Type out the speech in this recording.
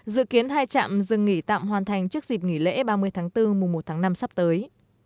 dự kiến hai trạm dừng nghỉ tạm hoàn thành trước dịp nghỉ lễ ba mươi tháng bốn mùa một tháng năm sắp tới